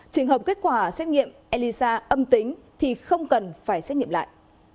trường hợp kết quả xét nghiệm elisa âm tính thì không cần phải xét nghiệm lại